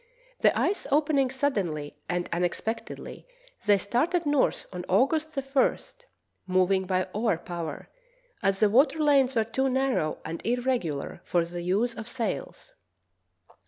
The ice opening suddenly and unexpectedly, they started north on August I, moving by oar power, as the water lanes were too narrow and irregular for the use of sails.